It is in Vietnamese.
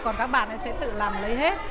còn các bạn ý sẽ tự làm lấy hết